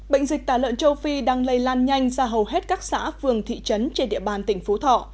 bệnh dịch tả lợn châu phi đang lây lan nhanh ra hầu hết các xã phường thị trấn trên địa bàn tỉnh phú thọ